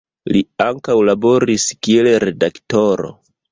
Li ankaŭ laboris kiel redaktoro.